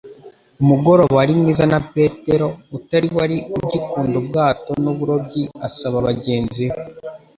Umugoroba wari mwiza na Petero utari wari ugikunda ubwato n'uburobyi asaba bagenzi be